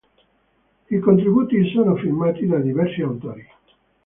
I contributi sono firmati da diversi autori.